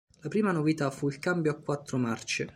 La prima novità fu il cambio a quattro marce.